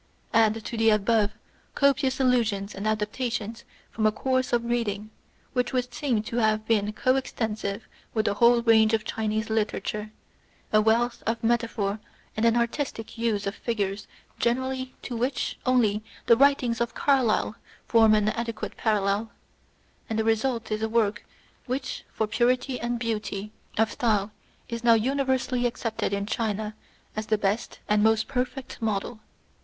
Add to the above, copious allusions and adaptations from a course of reading which would seem to have been co extensive with the whole range of Chinese literature, a wealth of metaphor and an artistic use of figures generally INTRODUCTION. to which only the chef cTceuv res of Carlyle form an adequate parallel; and the result is a work which for purity and beauty of style is now universally accepted in China as the best and most perfect model.